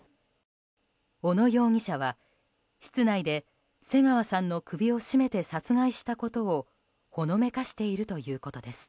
小野容疑者は室内で瀬川さんの首を絞めて殺害したことをほのめかしているということです。